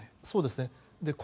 そうですね。